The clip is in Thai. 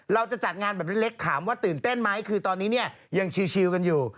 จัดงานแบบเล็กถามว่าตื่นเต้นไหมคือตอนนี้เนี่ยยังชิลกันอยู่